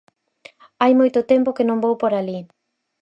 Hai moito tempo que non vou por alí